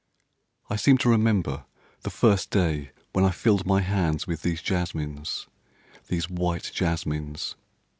I seem to remember the first day when I filled my hands with these jasmines, these white jasmines.